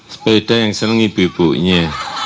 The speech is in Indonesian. sepeda yang seneng ibu ibunya